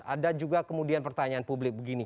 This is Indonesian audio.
ada juga kemudian pertanyaan publik begini